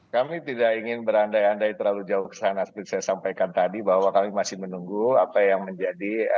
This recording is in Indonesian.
kami tidak ingin berandai andai terlalu jauh ke sana seperti saya sampaikan tadi bahwa kami masih menunggu apa yang menjadi